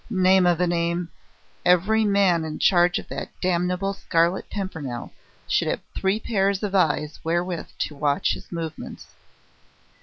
Name of a name! every man in charge of that damnable Scarlet Pimpernel should have three pairs of eyes wherewith to watch his movements.